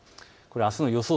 あすの予想